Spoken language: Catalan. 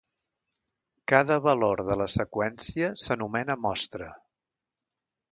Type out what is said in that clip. Cada valor de la seqüència s'anomena mostra.